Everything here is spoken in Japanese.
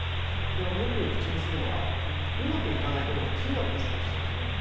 よく口にするのは、うまくいかないことが９割ですとおっしゃるんですね。